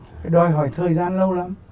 phải đòi hỏi thời gian lâu lắm